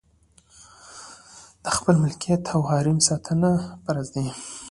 د خپل ملکیت او حریم ساتنه فرض ده.